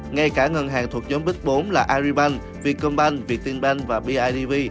ngay cả ngân hàng thuộc giống bích bốn là aribank vcombank vietinbank và bidv